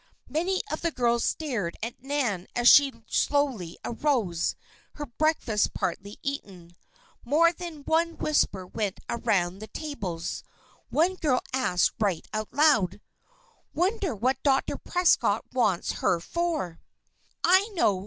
Many of the girls stared at Nan as she slowly arose, her breakfast partly eaten. More than one whisper went around the tables. One girl asked right out loud: "Wonder what Dr. Prescott wants her for?" "I know!"